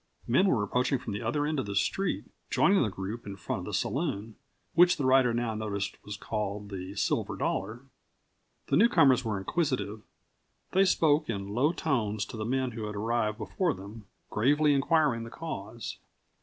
Men were approaching from the other end of the street, joining the group in front of the saloon which the rider now noticed was called the "Silver Dollar." The newcomers were inquisitive; they spoke in low tones to the men who had arrived before them, gravely inquiring the cause.